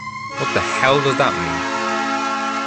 What the hell does that mean?